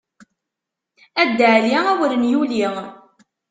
A Dda Ɛli awren yuli.